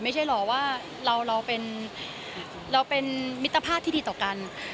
ไม่ใช่เหรอว่าเราเป็นมิตรภาพที่ดีต่อกัน